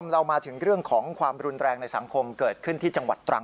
เรามาถึงเรื่องของความรุนแรงในสังคมเกิดขึ้นที่จังหวัดตรัง